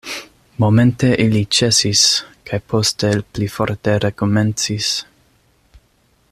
Momente ili ĉesis, kaj poste pli forte rekomencis.